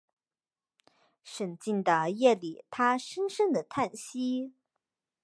沈静的夜里他深深的叹息